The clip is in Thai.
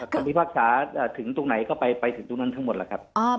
ความวิภาคศาสตร์ถึงตรงไหนก็ไปไปถึงตรงนั้นทั้งหมดล่ะครับ